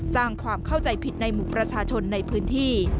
สร้างความเข้าใจผิดในหมู่ประชาชนในพื้นที่